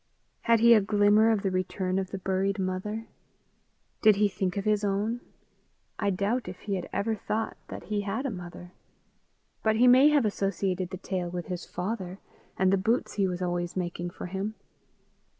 Had he a glimmer of the return of the buried mother? Did he think of his own? I doubt if he had ever thought that he had a mother; but he may have associated the tale with his father, and the boots he was always making for him.